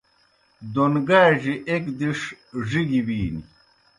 دوْن گاڙیْ ایْک دِݜ ڙِگیْ بِینیْ۔